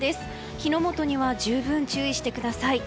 火の元には十分注意してください。